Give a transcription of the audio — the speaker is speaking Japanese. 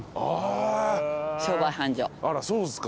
あらそうですか。